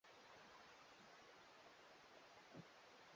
wodini amekuta vitanda tupu na paka yuko juu